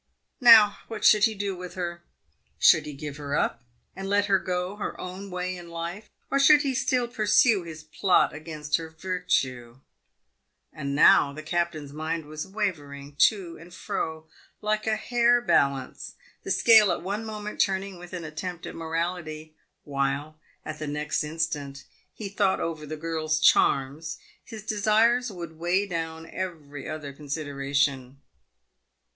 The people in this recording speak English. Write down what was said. Now, what should he do with her ? Should he give her up and let her go her own way in life, or should he still pursue his plot against her virtue ? And now the captain's mind was wavering to and fro like a hair balance, the scale at one moment turning with an attempt at morality, while, at the next instant, as he thought over the girl's charms, his desires would weigh down every other consideration.